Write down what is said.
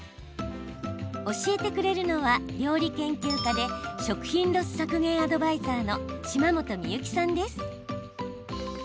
教えてくれるのは料理研究家で食品ロス削減アドバイザーの島本美由紀さんです。